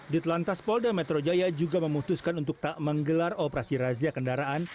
di telantas polda metro jaya juga memutuskan untuk tak menggelar operasi razia kendaraan